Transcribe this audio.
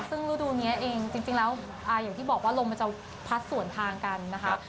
ซึ่งฤดูนี้เองจริงแล้วอย่างที่บอกว่าลมมันจะพัดส่วนทางกันนะคะ